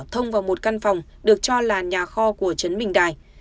trong vào một căn phòng được cho là nhà kho của chấn bình đài